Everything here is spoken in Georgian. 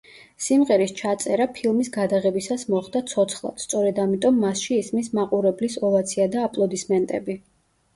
სიმღერის ჩაწერა ფილმის გადაღებისას მოხდა ცოცხლად, სწორედ ამიტომ მასში ისმის მაყურებლის ოვაცია და აპლოდისმენტები.